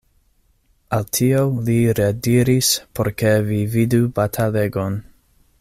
Al tio li rediris, por ke vi vidu batalegon.